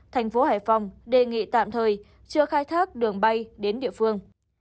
tp hải phòng đề nghị tạm thời chưa khai thác đường bay đến địa phương